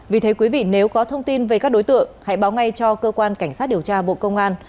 vì thế quý vị nếu có thông tin về các đối tượng hãy báo ngay cho cơ quan cảnh sát điều tra bộ công an